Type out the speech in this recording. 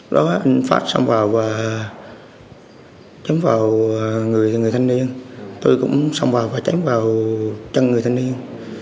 đó anh phát xong rồi chém vào người thanh niên tôi cũng xong rồi chém vào chân người thanh niên